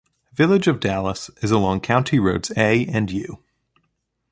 Village of Dallas is along County Roads A and U.